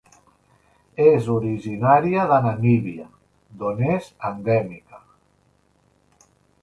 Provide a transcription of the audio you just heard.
És originària de Namíbia d'on és endèmica.